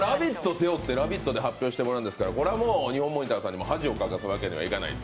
背負って「ラヴィット！」で発表してもらうんですからこれはもうニホンモニターさんにも恥をかかせるわけにはいかない。